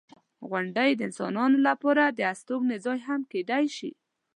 • غونډۍ د انسانانو لپاره د استوګنې ځای هم کیدای شي.